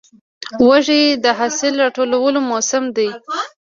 وږی د حاصل راټولو موسم دی.